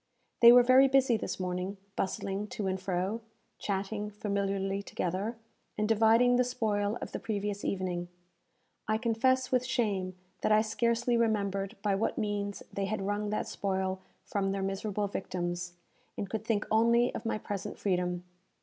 They were very busy this morning, bustling to and fro, chatting familiarly together, and dividing the spoil of the previous evening. I confess with shame that I scarcely remembered by what means they had wrung that spoil from their miserable victims, and could think only of my present freedom.